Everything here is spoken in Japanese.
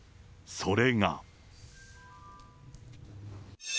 それが。